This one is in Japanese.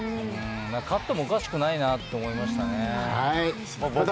勝ってもおかしくないなと思いましたね。